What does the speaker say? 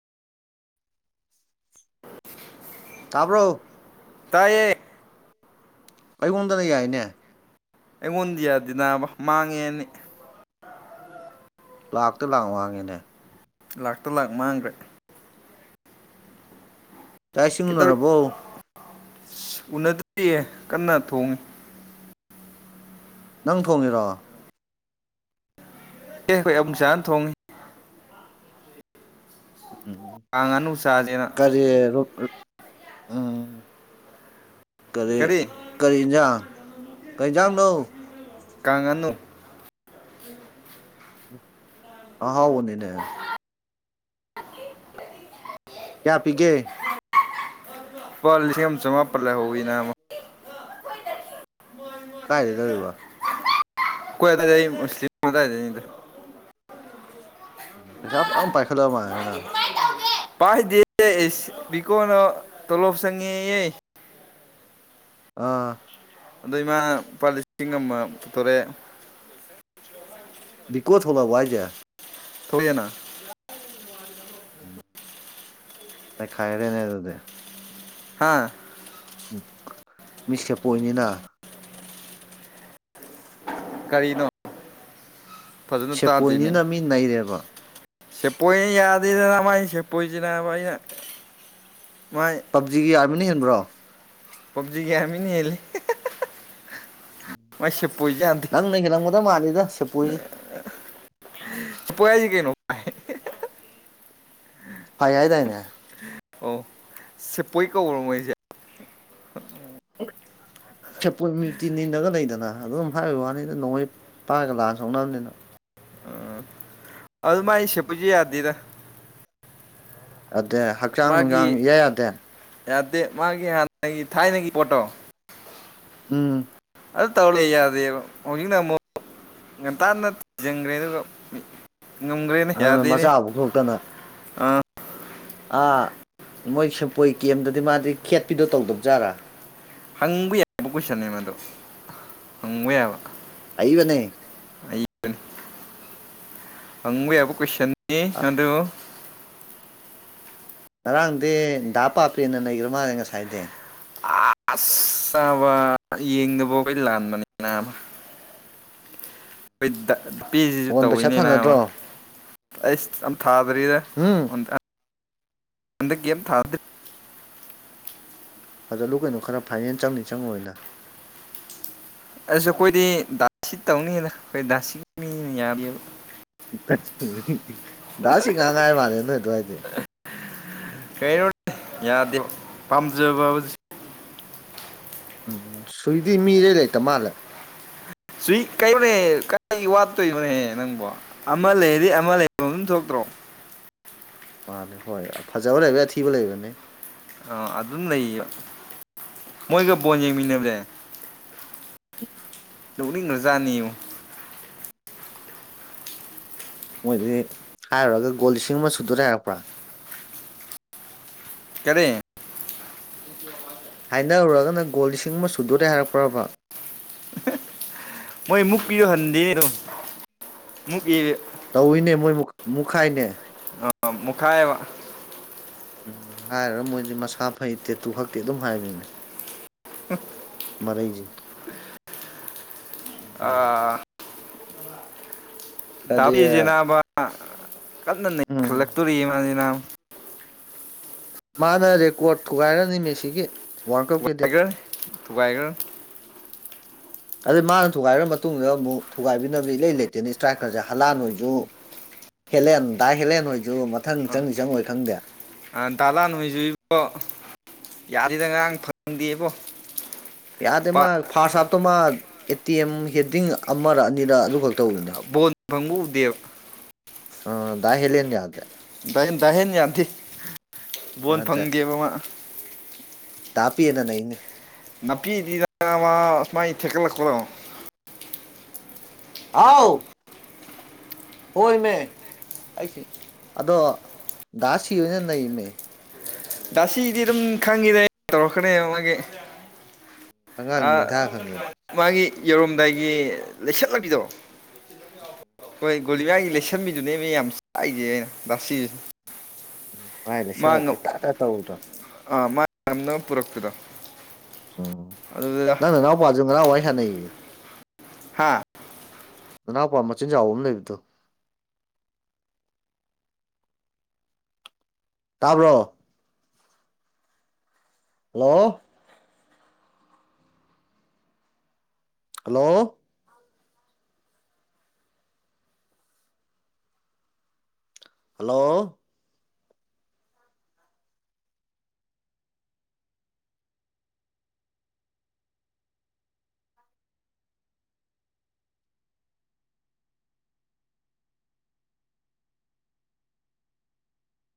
ꯇꯕ꯭ꯔꯣ ꯇꯥꯏꯌꯦ ꯑꯩꯉꯣꯟꯗꯅ ꯌꯥꯏꯅꯦ꯫ ꯑꯩꯉꯣꯟꯗꯤ ꯌꯥꯗꯦ ꯅꯥꯕ ꯃꯥꯡꯉꯦ ꯑꯅꯤ꯫ ꯂꯥꯛꯇ ꯂꯥꯛ ꯃꯥꯡꯉꯦꯅꯦ꯫ ꯂꯥꯛꯇ ꯂꯥꯛ ꯃꯥꯡꯒꯔ꯭ꯦ ꯫ ꯆꯥꯛ ꯏꯁꯤꯡ ꯀꯩꯗꯧꯔꯤ ꯎꯅꯔꯕꯣ꯫ ꯎꯅꯗ꯭ꯔꯤꯌꯦ ꯀꯟꯅ ꯊꯣꯡꯉꯤ꯫ ꯅꯪ ꯊꯣꯡꯉꯤꯔꯣ꯫ ꯑꯦ ꯈꯣꯏ ꯑꯕꯨꯡꯆꯥꯅ ꯊꯣꯡꯉꯤ꯫ ꯎꯝ ꯀꯥꯡꯉꯥꯅꯨ ꯆꯥꯖꯦꯅ꯫ ꯀꯔꯤ ꯎꯝ ꯀꯔꯤ꯫ ꯀꯔꯤ ꯏꯟꯖꯥꯡ ꯀꯔꯤꯏꯟꯖꯥꯡꯅꯣ꯫ ꯀꯥꯡꯉꯅꯨ꯫ ꯑꯍꯥꯎꯕꯅꯤꯅꯦ꯫ ꯀꯌꯥ ꯄꯤꯒꯦ꯫ ꯄꯥ ꯂꯤꯁꯤꯡ ꯑꯝ ꯆꯃꯥꯄꯜ ꯂꯧꯍꯧꯏ ꯅꯥꯕꯥ꯫ ꯀꯗꯥꯥꯏꯗꯩ ꯂꯩꯔꯤꯕ꯫ ꯀꯣꯢ ꯑꯗꯥꯢꯗꯩ ꯃꯁꯂꯤꯝ ꯑꯗꯥꯢꯗꯩꯅꯤꯗ ꯄꯩꯁꯥ ꯐꯝ ꯄꯥꯢꯈꯠꯂ ꯃꯥꯂꯦꯅꯦ ꯅꯪ ꯄꯥꯢꯗꯦꯌꯦ ꯏꯁ ꯚꯤꯀꯣꯅ ꯇꯣꯂꯣꯞ ꯆꯪꯉꯦꯌꯦ ꯑꯥ ꯑꯗꯣ ꯏꯃꯥ ꯂꯨꯄꯥ ꯂꯤꯁꯤꯡ ꯑꯃ ꯄꯨꯊꯣꯔꯛꯑꯦ ꯚꯤꯀꯣ ꯊꯣꯂꯕꯣ ꯍꯥꯢꯖꯦ ꯊꯣꯛꯂꯛꯑꯦꯅ ꯎꯝ ꯅꯩꯈꯥꯢꯔꯦꯅꯦ ꯑꯗꯨꯗꯦ ꯍꯥꯥ ꯎꯝ ꯃꯤꯁꯦꯞ ꯄꯣꯏꯟꯅꯤꯅꯥ ꯀꯔꯤꯅꯣ ꯐꯖꯅ ꯇꯥꯗꯦꯅꯦ ꯁꯦꯄꯣꯏꯅꯤꯅ ꯃꯤ ꯅꯩꯔꯦꯕ ꯁꯦꯞꯄꯣꯢꯅ ꯌꯥꯗꯦꯗꯅ ꯃꯥꯢ ꯁꯦꯞꯄꯣꯢꯖꯤ ꯅꯥꯕ ꯑꯩꯅ ꯃꯥꯢ ꯄꯞꯖꯤꯒꯤ ꯑꯔꯃꯤꯅꯥ ꯍꯦꯟꯕ꯭ꯔꯣ ꯄꯞꯖꯤꯒꯤ ꯑꯥꯔꯃꯤꯅꯥ ꯍꯦꯂꯤ ꯃꯥꯌ ꯁꯦꯄꯣꯢꯖꯤ ꯌꯥꯗꯦ ꯅꯪꯅ ꯍꯦꯜꯂꯝꯒꯗ ꯃꯥꯜꯂꯤꯗ ꯁꯦꯄꯣꯢꯖꯦ ꯄꯣꯢ ꯍꯥꯢꯖꯤ ꯀꯩꯅꯣ ꯐꯩ ꯍꯥꯢ ꯗꯥꯢꯅꯦ ꯁꯦꯄꯣꯢ ꯀꯧꯕ꯭ꯔꯣ ꯃꯣꯢꯖꯦ [unintelligible] ꯁꯦꯞꯄꯣꯢ ꯃꯌꯨꯇꯤ ꯅꯤꯟꯅꯒ ꯂꯩꯗꯅ ꯑꯗꯨꯝ ꯍꯥꯢꯕꯩ ꯋꯥꯅꯤꯗ ꯅꯣꯡꯃꯩ ꯄꯥꯢꯔꯒ ꯂꯥꯟꯑ ꯁꯣꯛꯅꯕꯅꯤꯅ ꯑꯗꯨꯃꯥꯢ ꯁꯦꯄꯣꯢꯖꯤ ꯌꯥꯗꯦꯗ ꯑꯗꯦ ꯍꯛꯆꯥꯡ ꯅꯨꯡꯖꯥꯡ ꯃꯥꯒꯤ ꯏꯌꯥ ꯌꯥꯗꯦ ꯌꯥꯗꯦ ꯃꯥꯒꯤ ꯍꯥꯟꯅꯒꯤ ꯊꯥꯢꯅꯒꯤ ꯄꯣꯠꯇꯣ ꯎꯝ ꯑꯗꯨ ꯇꯧꯔ ꯂꯩ ꯌꯥꯗꯦꯕ ꯍꯧꯖꯤꯛꯅ ꯑꯃꯨꯛ ꯉꯟꯇꯥꯅ ꯊꯤꯖꯤꯟꯈ꯭ꯔꯦ ꯑꯗꯨꯒ ꯃꯤ ꯉꯝꯒ꯭ꯔꯦꯅꯦ ꯑꯗꯨꯅ ꯌꯥꯗꯦꯅꯦ ꯃꯆꯥꯕꯨ ꯊꯣꯛꯇꯅ ꯑꯥ ꯑꯥ ꯃꯣꯢ ꯁꯦꯄꯣꯢ ꯀꯦꯝꯗꯗꯤ ꯃꯥꯗꯤ ꯈꯦꯠꯄꯤꯗꯣ ꯇꯧꯗꯕ ꯖꯥꯠꯂ ꯍꯪꯕ ꯌꯥꯕ ꯀꯣꯢꯁꯟꯅꯦ ꯃꯗꯣ ꯍꯪꯕ ꯌꯥꯕ ꯑꯏꯕꯅꯦ ꯑꯩ ꯔꯟ ꯍꯪꯌ ꯌꯥꯕ ꯀꯣꯢꯁꯟꯅꯤ ꯑꯗꯨ ꯉꯔꯥꯡꯗꯤ ꯗꯥ ꯄꯥꯄꯦ ꯅ ꯅꯩꯒ꯭ꯔ ꯃꯥꯜꯂꯦ ꯉꯁꯥꯢꯗꯤ ꯑꯁ ꯆꯥꯕ ꯌꯦꯡꯗꯕ ꯑꯈꯣꯢ ꯂꯥꯟꯕꯅꯤ ꯅꯥꯕꯥ ꯕꯤꯠꯇ ꯄꯤꯖꯤꯖꯨ ꯕꯣꯟ ꯄꯩꯁꯥ ꯇꯧꯋꯤꯅꯦ ꯅꯥꯕ ꯊꯥꯅꯗ꯭ꯔꯣ ꯑꯩꯁ ꯑꯝ ꯊꯥꯗ꯭ꯔꯤꯗ ꯍꯨꯝ ꯎꯟꯑꯦꯞ ꯍꯟꯗꯛ ꯒꯦꯝ ꯊꯥꯕꯗꯨ ꯊꯥꯖꯜꯂꯨ ꯀꯩꯅꯣ ꯈꯔ ꯐꯥꯢꯅꯦꯜ ꯆꯪꯅꯤ ꯆꯪꯉꫭꯢꯅ ꯑꯁꯨ ꯑꯈꯣꯢꯗꯤ ꯗꯥꯁꯁꯤ ꯇꯧꯅꯤꯗ ꯑꯈꯣꯢ ꯗꯥꯁꯤꯒꯤ ꯃꯤꯅꯤꯅ ꯌꯥꯗꯦꯕ [unintelligible] ꯗꯥꯁꯤꯡ ꯉꯥꯛ ꯉꯥꯏꯔ ꯃꯥꯜꯂꯦ ꯅꯣꯢ ꯑꯗꯨꯋꯥꯢꯗꯤ ꯀꯩꯩꯅꯣ ꯌꯥꯗꯦ ꯄꯥꯝꯖꯕ ꯍꯥꯢꯕꯁꯤ ꯁꯨꯢꯗꯤ ꯃꯤ ꯏꯔꯩ ꯂꯩꯇ ꯃꯥꯜꯂꯦ ꯁꯨꯢ ꯀꯩꯩꯅꯣꯅꯦꯍꯦ ꯀꯥꯏ ꯋꯥꯠꯇꯣꯏꯅꯅꯦꯍꯦ ꯅꯪꯕꯣ ꯑꯃ ꯂꯩꯔꯗꯤ ꯑꯃ ꯂꯩ ꯑꯗꯨꯝ ꯊꯣꯛꯇ꯭ꯔꯣ ꯃꯥꯅꯦ ꯈꯣꯢ ꯐꯖꯕ ꯂꯩꯕ ꯑꯊꯤꯕ ꯂꯩꯕꯅꯤ ꯑꯥ ꯑꯗꯨꯝ ꯂꯩꯌꯦꯕ ꯃꯣꯏꯒ ꯕꯣꯟ ꯌꯦꯡꯃꯤꯟꯅꯕꯅꯦ INAUDIBLE ꯅꫭꯛꯅꯤꯡꯒ꯭ꯔ ꯖꯥꯠꯅꯤꯌꯨ ꯃꯣꯏꯗꯤ ꯍꯥꯏꯔꯨꯔꯒ ꯒꯣꯜ ꯂꯤꯁꯤꯡ ꯑꯃ ꯁꯨꯗꯣꯔꯦ ꯍꯥꯏꯔꯛꯄ꯭ꯔꯥ ꯀꯥꯔꯤ INAUDIBLE ꯍꯥꯏꯅꯔꯨꯔꯒꯅ ꯒꯣꯜ ꯂꯤꯁꯤꯡ ꯑꯃ ꯁꯨꯗꯣꯔꯦ ꯍꯥꯏꯔꯛꯄ꯭ꯔꯕ ꯃꯣꯏ ꯃꯨꯛꯄꯤꯗꯨ ꯍꯟꯗꯤ ꯑꯗꯨꯝ ꯃꯨꯛ ꯏ ꯇꯧꯏꯅꯦ ꯃꯣꯏ ꯃꯨꯛ ꯈꯥꯏꯅꯦ ꯑꯥ ꯃꯨꯛꯈꯥꯏꯑꯦꯕ ꯎꯪ ꯍꯥꯏꯔꯨꯔꯒ ꯃꯣꯏꯗꯤ ꯃꯁꯥ ꯐꯩ ꯇꯦꯇꯨ ꯍꯛꯇꯦ ꯑꯗꯨꯝ ꯍꯥꯏꯕꯅꯤꯅꯦ INAUDIBLE ꯃꯔꯩ ꯖꯦ ꯑꯥꯑꯥꯑꯥ ꯑꯗꯤ ꯗꯥꯕꯤꯖꯦ ꯅꯥꯕ ꯀꯟꯅ ꯎꯝ ꯅꯩꯈꯠꯂꯛꯇꯣꯔꯤ ꯃꯥꯖꯤꯅꯥꯕ ꯃꯥꯅꯔꯦꯀꯣꯔꯠ ꯊꯨꯒꯥꯏꯔꯅꯤ ꯃꯦꯁꯤꯒꯤ ꯋꯥꯔꯜ ꯀꯞꯀꯤꯗꯤ ꯊꯨꯒꯥꯏꯒ꯭ꯔ ꯑꯗꯨꯗꯤ ꯃꯥꯅ ꯊꯨꯒꯥꯏꯒ꯭ꯔ ꯃꯇꯨꯡꯗ ꯑꯃꯨꯛ ꯊꯨꯒꯥꯏꯕꯤꯅꯕ ꯏꯂꯩ-ꯂꯩꯇꯦꯅ ꯏꯁꯇ꯭ꯔꯥꯏꯀꯔꯖꯦ ꯍꯂꯥꯟꯍꫭꯏꯖꯨ ꯍꯦꯂꯦꯟ ꯗꯥ ꯍꯦꯂꯦꯟ ꯍꯣꯏꯖꯨ ꯃꯊꯪ ꯆꯪꯅꯤ ꯆꯪꯉꯣꯏ ꯈꯪꯗꯦ ꯑꯥ ꯗꯥꯂꯥꯟ ꯍꫭꯏꯖꯨ ꯏꯕꯣ ꯌꯥꯗꯦꯗ ꯉꯔꯥꯡ ꯐꯪꯗꯦꯏꯕꯣ ꯌꯥꯗꯦ ꯃꯥ ꯐꯥꯔꯠꯁ ꯍꯥꯞꯇꯣ ꯃꯥ ꯑꯦꯇꯤꯑꯦꯝ ꯍꯦꯗꯤꯡ ꯑꯃꯔ ꯑꯅꯤꯔ ꯑꯗꯨ ꯈꯛ ꯇꯧꯕꯅꯦ ꯑꯥ ꯕꯣꯜ ꯐꯪꯕ ꯎꯗꯦꯕ ꯑꯥꯑ ꯗꯥ ꯍꯦꯂꯦꯟ ꯌꯥꯗꯦ ꯗꯥ ꯗꯥꯍꯦꯟ ꯌꯥꯗꯦ ꯕꯣꯜ ꯐꯪꯗꯦꯕ ꯃꯥ ꯗꯥꯄꯦꯅ ꯅꯩꯅꯦ ꯅꯥꯄꯤꯗꯤ ꯅꯥꯕ ꯃꯥꯏ ꯊꯦꯛꯀꯠꯂꯛꯄꯗꯣ ꯍꯥꯎ ꯍꯣꯏꯑꯃꯦ ꯑꯩꯁꯦ ꯑꯗꯣ ꯗꯥꯁꯤꯕꯅ ꯅꯩꯃꯦ ꯗꯥꯁꯤꯗꯤ ꯑꯗꯨꯝ ꯈꯪꯉꯤꯗ ꯑꯩ ꯇꯧꯔꯛꯀꯅꯤꯕ ꯃꯥꯒꯤ ꯑꯉꯥꯡ ꯑꯥ ꯅꯤꯡꯊꯥ ꯈꯪꯉꯦꯕ ꯃꯥꯒꯤ ꯌꯧꯔꯝꯗꯥꯏꯒꯤ ꯂꯩꯁꯜꯂꯛꯄꯤꯗꯣ ꯍꯣꯏ ꯒꯣꯂꯤꯌꯥꯏꯒꯤ ꯂꯩꯁꯟꯕꯤꯗꯨꯅꯦ ꯑꯩꯅ ꯌꯥꯝ ꯆꯥꯛꯏꯁꯦ ꯑꯩꯅ ꯗꯥꯁꯤꯖꯦ ꯃꯥꯏ ꯂꯩꯁꯜꯂꯛꯄꯩ ꯇꯥ ꯇꯥ ꯇꯧꯕꯗꯣ ꯑꯥꯑ ꯃꯥꯏ ꯉꯝꯅꯕ ꯄꯨꯔꯛꯄꯗꯣ ꯎꯝ ꯑꯗꯨꯗ ꯅꯪ ꯅꯅꯥꯎ ꯄꯥꯖꯨ ꯉꯔꯥꯡ ꯋꯥꯔꯤ ꯁꯥꯅꯩꯌꯦ ꯍꯥꯥꯑ ꯅꯅꯥꯎꯄꯥ ꯃꯆꯤꯟ ꯆꯥꯎꯕ ꯑꯃ ꯂꯩꯕꯗꯣ ꯇꯥꯕ꯭ꯔꯣ ꯍꯜꯂꯣꯑꯣ ꯍꯜꯂꯣꯑꯣ ꯍꯜꯂꯣꯑꯣ